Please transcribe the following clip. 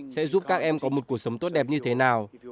sẽ giúp các em có một cuộc sống tốt đẹp như thế nào